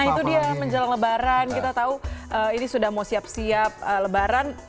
nah itu dia menjelang lebaran kita tahu ini sudah mau siap siap lebaran